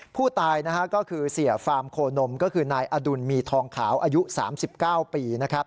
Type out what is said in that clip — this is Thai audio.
ผู้ตายก็คือเสียฟาร์มโคนมก็คือนายอดุลมีทองขาวอายุ๓๙ปี